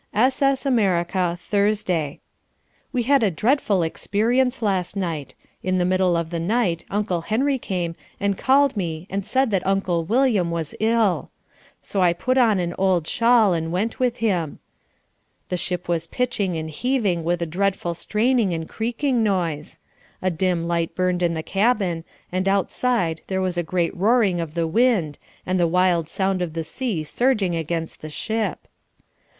S.S. America. Thursday We had a dreadful experience last night. In the middle of the night Uncle Henry came and called me and said that Uncle William was ill. So I put on an old shawl and went with him. The ship was pitching and heaving with a dreadful straining and creaking noise. A dim light burned in the cabin, and outside there was a great roaring of the wind and the wild sound of the sea surging against the ship.